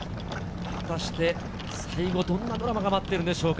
果たして最後どんなドラマが待っているのでしょうか。